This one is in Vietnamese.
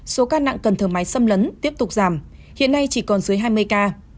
số ca nặng cần thở máy xâm lấn tiếp tục giảm hiện nay chỉ còn dưới hai mươi ca